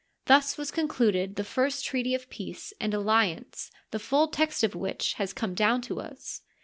Thus was concluded the first treaty of peace and alliance the full text of which has come down to us.